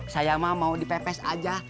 saya mah mau dipepes aja